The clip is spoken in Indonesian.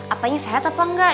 apanya sehat apa enggak